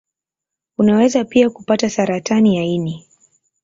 Unaweza pia kupata saratani ya ini.